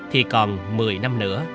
thì còn một mươi năm nữa